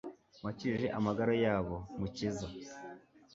wakijije amagara yabo, mukiza